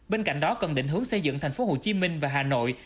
bên cạnh đó cần định hướng xây dựng thành phố hồ chí minh và hà nội